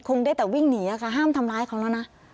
คงได้แต่วิ่งหนีค่ะห้ามทำร้ายเขาแล้วนะ